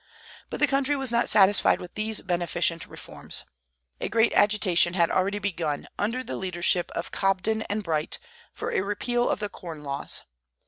But the country was not satisfied with these beneficent reforms. A great agitation had already begun, under the leadership of Cobden and Bright, for a repeal of the Corn Laws.